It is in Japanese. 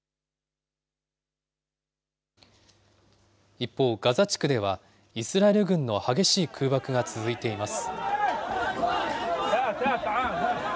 一方、ガザ地区では、イスラエル軍の激しい空爆が続いています。